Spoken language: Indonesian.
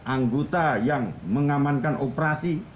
anggota yang mengamankan operasi